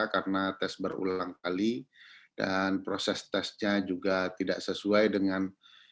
karena tes berulang kali dan proses tesnya juga tidak sesuai dengan